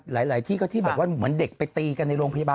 หลายที่ก็ที่แบบว่าเหมือนเด็กไปตีกันในโรงพยาบาล